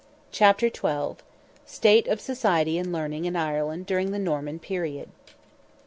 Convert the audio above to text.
CHAPTER XII. STATE OF SOCIETY AND LEARNING IN IRELAND DURING THE NORMAN PERIOD.